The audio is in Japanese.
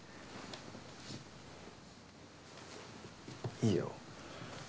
いいよ。